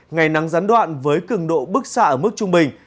ngày nắng gián đoạn với cường độ bức xạ ở mức trung bình